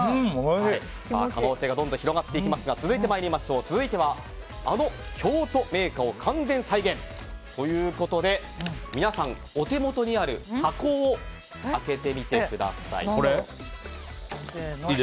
可能性がどんどん広がっていきますが続いてはあの京都銘菓を完全再現。ということで皆さん、お手元にある箱を開けてみてください。